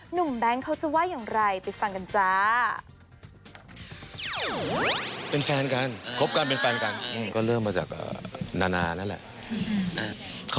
แบงค์เขาจะว่าอย่างไรไปฟังกันจ้า